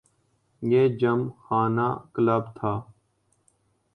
یہ gymkhana club تھا۔